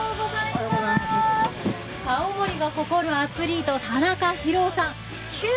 青森が誇るアスリート、田中博男さん